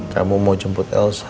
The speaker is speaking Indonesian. kamu mau jemput elsa